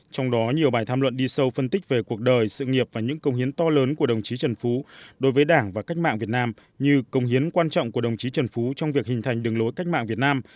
trong đó nhiều bài tham luận đi sâu phân tích về cuộc đời sự nghiệp và những công hiến to lớn của đồng chí trần phú đối với đảng và cách mạng việt nam như công hiến quan trọng của đồng chí trần phú trong việc hình thành đường lối cách mạng việt nam